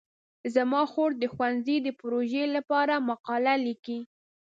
زما خور د ښوونځي د پروژې لپاره مقاله لیکي.